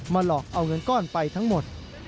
หลอกเอาเงินก้อนไปทั้งหมด